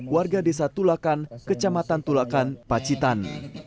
warga desa tulakan kecamatan tulakan pacitan